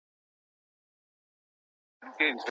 ولي هڅاند سړی د مخکښ سړي په پرتله لاره اسانه کوي؟